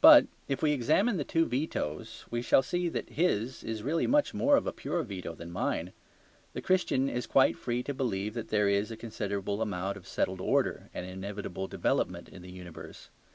But if we examine the two vetoes we shall see that his is really much more of a pure veto than mine. The Christian is quite free to believe that there is a considerable amount of settled order and inevitable development in the universe.